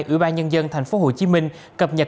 ủy ban nhân dân tp hcm cập nhật